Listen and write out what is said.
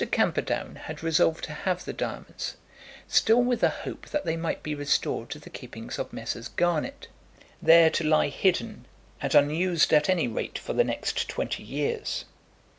Camperdown had resolved to have the diamonds, still with a hope that they might be restored to the keeping of Messrs. Garnett, there to lie hidden and unused at any rate for the next twenty years.